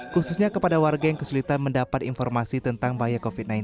khususnya kepada warga yang kesulitan mendapat informasi tentang bahaya covid sembilan belas